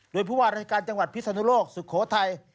โดยเพราะว่ารัฐการณ์จังหวัดพิษฐานุโลกสุโขทัย